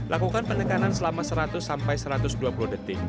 lakukan penekanan selama seratus sampai satu ratus dua puluh detik